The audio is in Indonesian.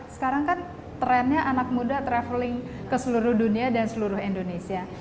sekarang kan trennya anak muda traveling ke seluruh dunia dan seluruh indonesia